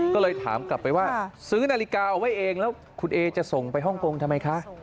ก็เลยถามกลับไปว่าซื้อนาฬิกาเอาไว้เองแล้วคุณเอจะส่งไปฮ่องกงทำไมคะ